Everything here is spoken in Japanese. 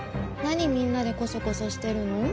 何みんなでコソコソしてるの？